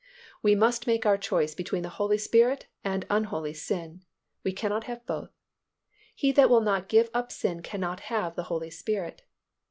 We must make our choice between the Holy Spirit and unholy sin. We cannot have both. He that will not give up sin cannot have the Holy Spirit.